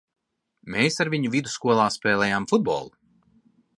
Mēs ar viņu vidusskolā spēlējām futbolu.